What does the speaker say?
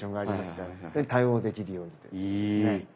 それに対応できるようにということですね。